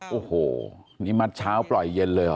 โอ้โหนี่มัดเช้าปล่อยเย็นเลยเหรอ